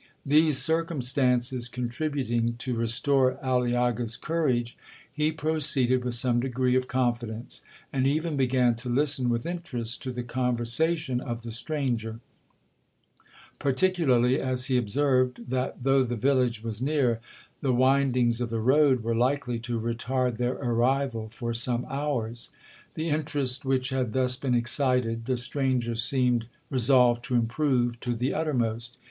These circumstances contributing to restore Aliaga's courage, he proceeded with some degree of confidence, and even began to listen with interest to the conversation of the stranger; particularly as he observed, that though the village was near, the windings of the road were likely to retard their arrival for some hours. The interest which had thus been excited, the stranger seemed resolved to improve to the uttermost.